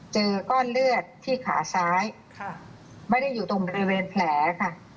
เจอก้อนเลือดที่ขาซ้ายไม่ได้อยู่ตรงบริเวณแผลค่ะ